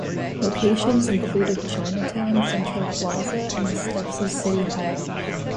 Locations included Chinatown Central Plaza and the steps of City Hall.